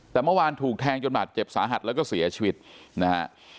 แต่เมื่อวานถูกแทงจนบาดเจ็บสาหัสแล้วก็เสียชีวิตนะฮะ